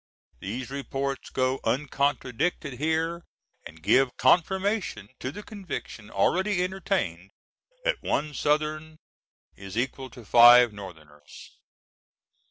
These reports go uncontradicted here and give confirmation to the conviction already entertained that one Southron is equal to five Northerners.